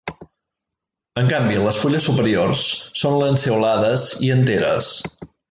En canvi, les fulles superiors són lanceolades i enteres.